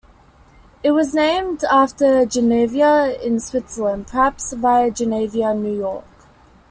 It was named after Geneva, in Switzerland, perhaps via Geneva, New York.